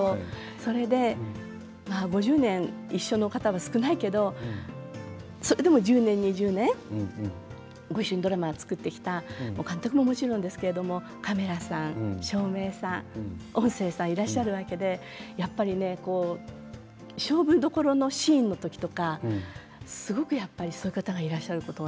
それで５０年一緒の方は少ないけどそれでも１０年２０年ご一緒にドラマを作ってきた監督ももちろんですけれどもカメラさん照明さん音声さんいらっしゃるわけでやっぱりね勝負どころのシーンの時とかすごくやっぱりそういう方がいらっしゃることが心強いんですよ。